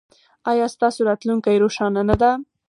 ایا ستاسو راتلونکې روښانه نه ده؟